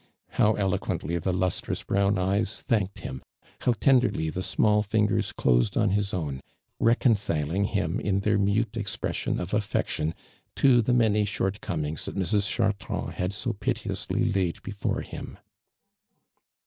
How elofpicntly the lustrous brown eyc^ thanked him, how tenderly the small lingers closeii on his own, reconciling him in their nmto expression of afft'ction to the many Hhortcomin^s that Mr».t'hartran<l had so pitilessly laid before him.